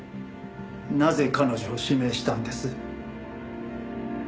なぜ彼女を指名したんです？